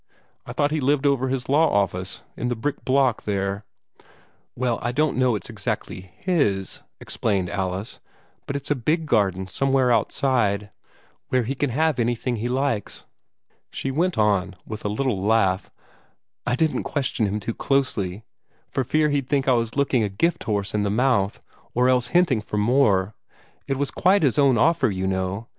"I thought he lived over his law office, in the brick block, there." "Well, I don't know that it's exactly HIS," explained Alice; "but it's a big garden somewhere outside, where he can have anything he likes." She went on with a little laugh: "I didn't like to question him too closely, for fear he'd think I was looking a gift horse in the mouth or else hinting for more. It was quite his own offer, you know.